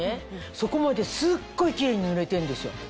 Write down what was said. そこまですっごいキレイに塗れてんですよ。